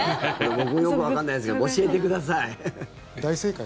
僕もよくわかんないですけど教えてください。